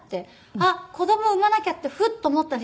あっ子供産まなきゃってフッと思ったんです。